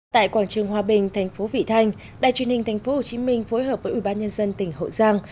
tại quảng trường hòa bình thành phố vị thanh đài truyền hình tp hcm phối hợp với ubnd tỉnh hậu giang